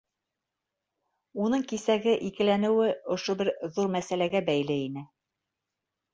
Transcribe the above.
Уның кисәге икеләнеүе ошо бер ҙур мәсьәләгә бәйле ине.